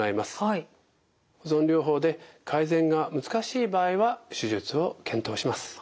保存療法で改善が難しい場合は手術を検討します。